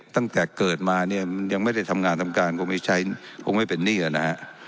ตั้งแต่เกิดมาเนี่ยมันยังไม่ได้ทำงานทำการคงไม่ใช้คงไม่เป็นหนี้นะฮะ